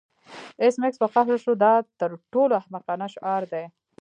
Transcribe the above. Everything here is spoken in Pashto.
ایس میکس په قهر شو دا تر ټولو احمقانه شعار دی